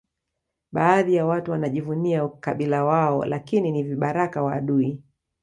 Baadhi ya watu wanajivunia ukabila wao lakini ni vibaraka wa adui